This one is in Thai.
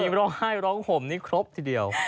ร้องไห้ร้องห่มนี่ครบทีเดียว